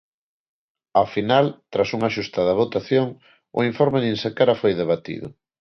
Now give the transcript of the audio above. Ao final, tras unha axustada votación o informe nin sequera foi debatido.